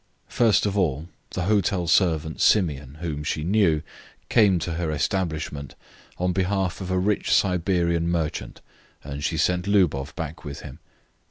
First of all, the hotel servant Simeon, whom she knew, came to her establishment on behalf of a rich Siberian merchant, and she sent Lubov back with him.